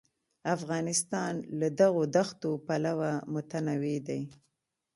افغانستان له دغو دښتو پلوه متنوع دی.